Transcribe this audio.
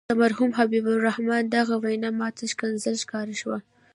د مرحوم حبیب الرحمن دغه وینا ماته ښکنځا ښکاره شوه.